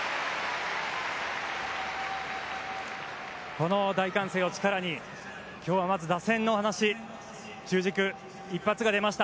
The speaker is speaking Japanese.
この大歓声を力にまず打線の話中軸に一発が出ました